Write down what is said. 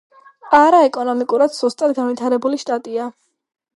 პარა ეკონომიკურად სუსტად განვითარებული შტატია.